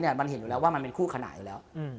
มันเห็นอยู่แล้วว่ามันเป็นคู่ขนานอยู่แล้ว